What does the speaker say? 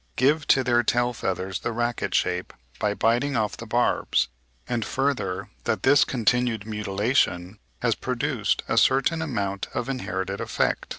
give to their tail feathers the racket shape by biting off the barbs, and, further, that this continued mutilation has produced a certain amount of inherited effect.